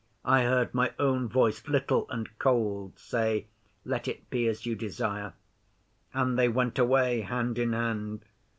I heard my own voice, little and cold, say, "Let it be as you desire," and they went away hand in hand.